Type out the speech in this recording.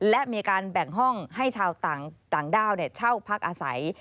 และมีการแบ่งห้องให้ชาวต่างด้าวเช่าพักอาศัย